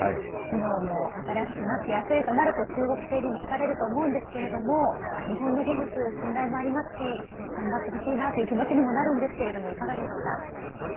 機能も新しくなって安いとなると中国製にも惹かれると思いますが日本の技術、信頼もありますし頑張ってほしいなという気持ちにもなるんですがいかがですか？